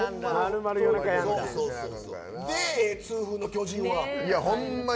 で、痛風の巨人は？